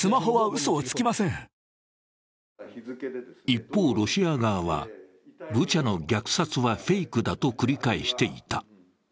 一方、ロシア側はブチャの虐殺はフェイクだと繰り返していた。